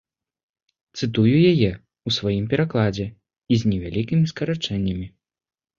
Цытую яе ў сваім перакладзе і з невялікімі скарачэннямі.